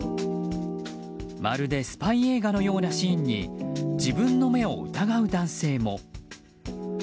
まるでスパイ映画のようなシーンに自分の目を疑う男性も。